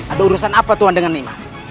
ada urusan apa tuhan dengan nimas